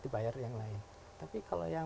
dibayar yang lain tapi kalau yang